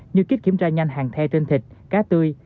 như kíp kiểm tra nhanh hàng the trên thịt cá tươi